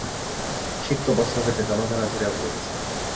সিক্ত বস্ত্র হইতে জলধারা ঝরিয়া পড়িতেছে।